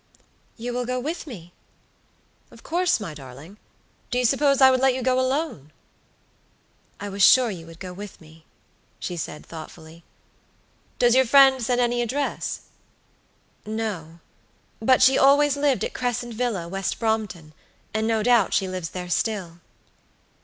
"You will go with me?" "Of course, my darling. Do you suppose I would let you go alone?" "I was sure you would go with me," she said, thoughtfully. "Does your friend send any address?" "No; but she always lived at Crescent Villa, West Brompton; and no doubt she lives there still."